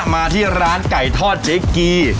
มาที่ร้านไก่ทอดเจ๊กี